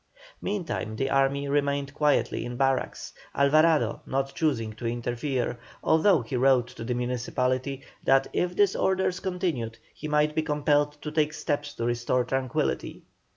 Meantime the army remained quietly in barracks, Alvarado not choosing to interfere, although he wrote to the municipality that if the disorders continued he might be compelled to take steps to restore tranquillity.